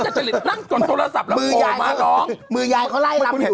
จัดจะรีบนั่งจนโทรศัพท์แล้วโอ้มาน้องมือยายเขาไล่รับเห็น